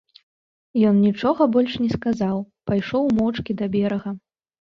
Ён нічога больш не сказаў, пайшоў моўчкі да берага.